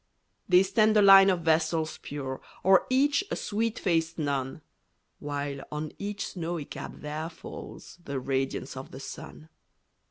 They stand a line of vestals pure, Or each a sweet faced nun; While on each snowy cap there falls The radiance of the sun.